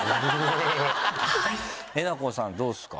えなこさんどうですか？